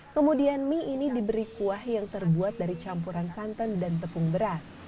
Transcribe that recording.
kemudian mie ini diberi kuah yang terbuat dari campuran santan dan tepung beras